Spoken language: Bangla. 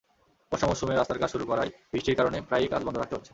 বর্ষা মৌসুমে রাস্তার কাজ শুরু করায় বৃষ্টির কারণে প্রায়ই কাজ বন্ধ রাখতে হচ্ছে।